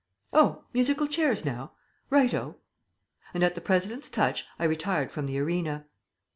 Oh, musical chairs now? Right o." And at the President's touch I retired from the arena.